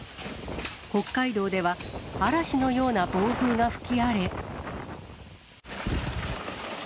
北海道では、嵐のような暴風が吹き荒れ。